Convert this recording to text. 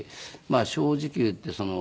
正直言ってまあ